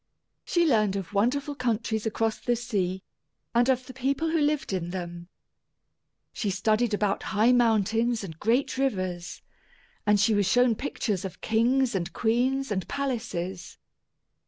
She learned of wonderful countries across the sea, and of the people who lived in them. She studied about high mountains and great rivers, and she was shown pictures of kings and queens and palaces.